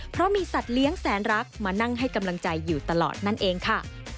เพราะมีสัตว์เลี้ยงแสนรักมานั่งให้กำลังใจอยู่ตลอดนั่นเองค่ะ